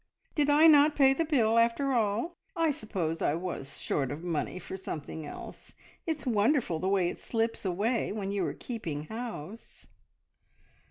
Did I not pay the bill, after all? I suppose I was short of money for something else. It's wonderful the way it slips away when you are keeping house!"